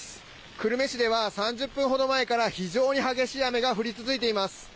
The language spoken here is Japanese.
久留米市では３０分ほど前から非常に激しい雨が降り続いています。